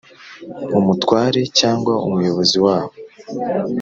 umutware cyangwa umuyobozi wabo